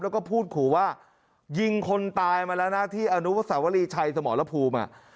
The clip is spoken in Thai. แล้วก็พูดขู่ว่ายิงคนตายมาแล้วนะที่อนุสาวรีชัยสมรภูมิ